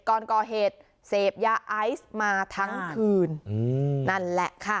ก่อนก่อเหตุเสพยาไอซ์มาทั้งคืนนั่นแหละค่ะ